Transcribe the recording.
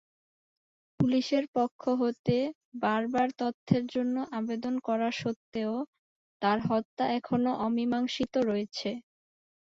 পুলিশের পক্ষ থেকে বারবার তথ্যের জন্য আবেদন করা সত্ত্বেও, তার হত্যা এখনও অমীমাংসিত রয়েছে।